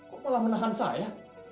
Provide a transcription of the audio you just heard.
kok malah menahan saya